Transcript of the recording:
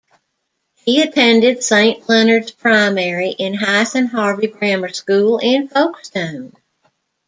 He attended Saint Leonards Primary in Hythe and Harvey Grammar School in Folkestone.